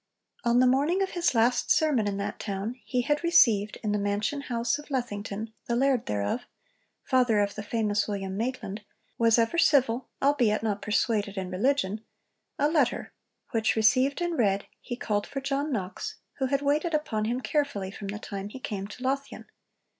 On the morning of his last sermon in that town he had received (in the mansion house of Lethington, 'the laird whereof,' father of the famous William Maitland, 'was ever civil, albeit not persuaded in religion') a letter, 'which received and read, he called for John Knox, who had waited upon him carefully from the time he came to Lothian.'